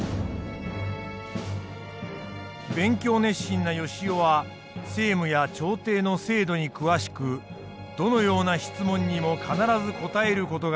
勉強熱心な善男は政務や朝廷の制度に詳しくどのような質問にも必ず答える事ができたという。